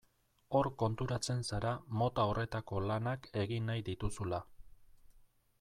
Hor konturatzen zara mota horretako lanak egin nahi dituzula.